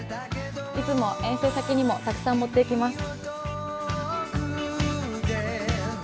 いつも遠征先にもたくさん持っていきます。